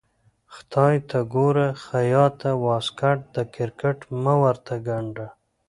خدای ته ګوره خياطه واسکټ د کرکټ مه ورته ګنډه.